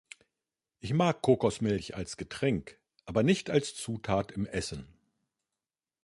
Ich mag Kokosmilch als Getränk aber nicht als Zutat im Essen.